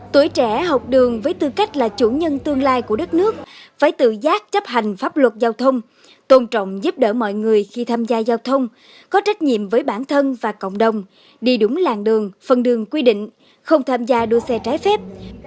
tuổi trẻ học đường với tư cách là chủ nhân tương lai của đất nước phải tự giác chấp hành pháp luật giao thông tôn trọng giúp đỡ mọi người khi tham gia giao thông có trách nhiệm với bản thân và cộng đồng đi đúng làng đường phần đường quy định không tham gia đua xe trái phép